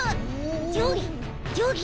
ジョギジョギ。